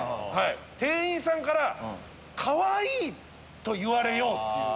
店員さんから「かわいい」と言われようという。